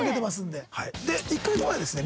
で１か月前ですね